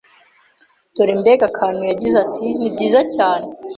Dore mbega akantu yagize ati nibyiza cyane